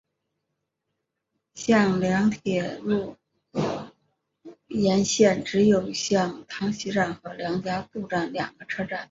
向梁铁路沿线只有向塘西站和梁家渡站两个车站。